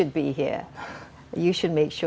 anda harus berada di sini